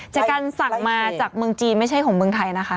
จากการสั่งมาจากเมืองจีนไม่ใช่ของเมืองไทยนะคะ